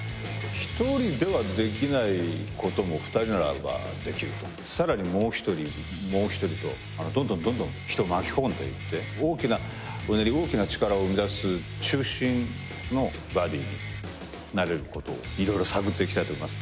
１人ではできないことも２人ならばできるとさらにもう一人もう一人とどんどんどんどん人を巻き込んでいって大きなうねり大きな力を生み出す中心のバディになれることを色々探っていきたいと思います